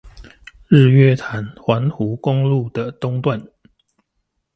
日月潭環湖公路的東段